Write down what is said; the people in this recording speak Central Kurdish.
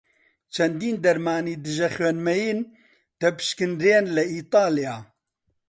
چەندین دەرمانی دژە خوێن مەین دەپشکنرێن لە ئیتاڵیا.